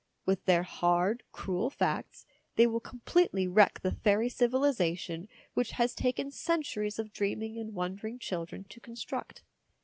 With their hard, cruel facts they will completely wreck the fairy civilisa tion which has taken centuries of dreaming and wondering children to construct.